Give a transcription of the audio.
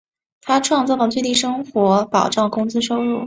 他创造了最低生活保障工资收入。